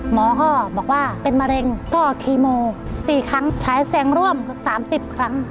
หมอก็บอกว่าเป็นมะเร็งก็คีโม๔ครั้งใช้แสงร่วมเกือบ๓๐ครั้ง